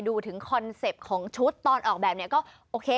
ดูถึงคอนเซ็ปต์ของชุดตอนออกแบบนี้ก็โอเค